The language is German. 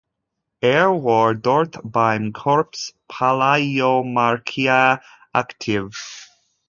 Er war dort beim Corps Palaiomarchia aktiv.